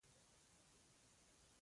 ځکه چې ستاسو مشرې نوره زما په غاړه ده.